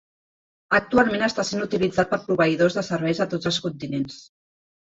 Actualment està sent utilitzat per proveïdors de serveis a tots els continents.